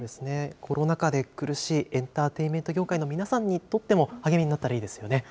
コロナ禍で苦しいエンターテインメント業界の皆さんにとっても、励みになったらいいですよね。